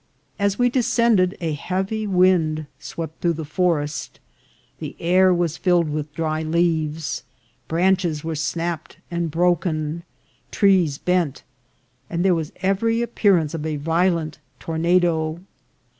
As we descended a heavy wind swept through the forest ; the air was filled with dry leaves ; branches were snapped and broken, trees bent, and there was every appearance of a violent tor nado.